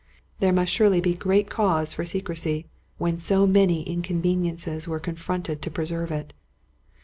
There must surely be great cause for secrecy, when so many inconveniences were confronted to preserve it.